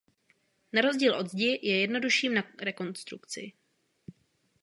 Na rozdíl od zdi je jednodušší na konstrukci.